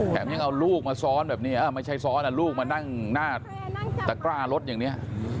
ยังเอาลูกมาซ้อนแบบนี้ไม่ใช่ซ้อนลูกมานั่งหน้าตะกร้ารถอย่างนี้